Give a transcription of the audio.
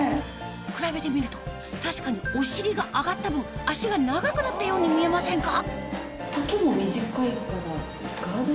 比べてみると確かにお尻が上がった分足が長くなったように見えませんか？